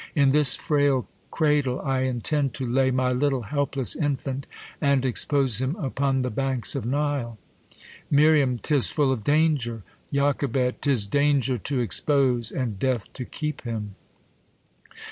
In this frail cradle I intend to lay My little helpless infant, and expose him Upon the banks of Nile. Mir, 'Tis full of danger. Joch, 'Tis danger to expose, and death to keep him.